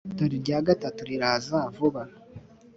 dore irya gatatu riraza vuba.